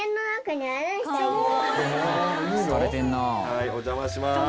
はいお邪魔します。